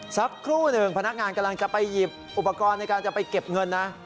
สักครู่หนึ่งพนักงานกำลังจะไปหยิบอุปกรณ์ในการจะไปเก็บเงินนะ